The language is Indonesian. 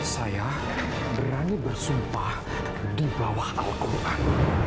saya berani bersumpah di bawah al quran